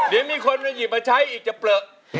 เดี๋ยวมีคนมาหยิบมาใช้อีกจะเปลือ